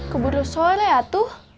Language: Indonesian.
keburu sore ya tuh